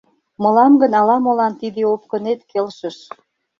Мылам гын ала-молан тиде «опкынет» келшыш.